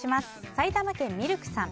埼玉県の方。